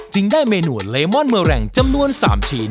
ได้เมนูเลมอนเมอร์แรงจำนวน๓ชิ้น